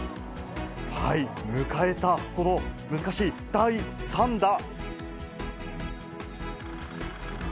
迎えたこの難しい第３打。